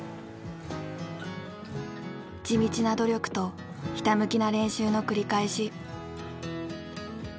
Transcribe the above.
「地道な努力」と「ひたむきな練習」の繰り返し。